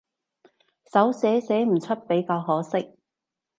手寫寫唔出比較可惜